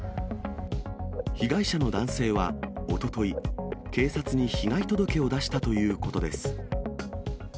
被害者の男性はおととい、警察に被害届を出したということです。